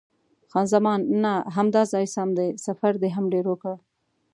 خان زمان: نه، همدا ځای سم دی، سفر دې هم ډېر وکړ.